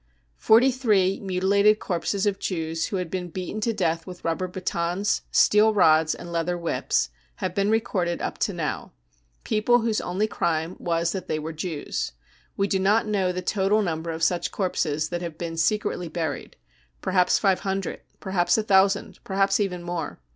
Forty three mutilated corpses of Jews who had been! beaten to death with rubber batons, steel rods and leather whips, have been recorded up to now— people whose only crime was that they were Jews. We do not know the total number of such corpses that have been secretly buried. Perhaps five hundred ; perhaps a thousand ; perhaps even more.